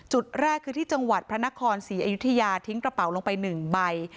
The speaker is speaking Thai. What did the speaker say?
จุดแรกคือที่จังหวัดพระนครศรีอยุธยาทิ้งกระเป๋าลงไป๑ใบ